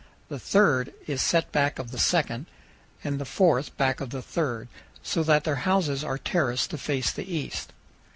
The third is set back of the second, and the fourth back of the third; so that their houses are terraced to face the east.